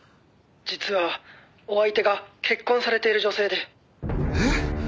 「実はお相手が結婚されている女性で」えっ？